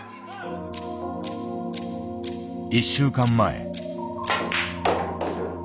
１週間前。